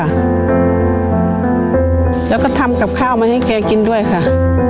แล้วก็ทำกับข้าวมาให้แกกินด้วยค่ะ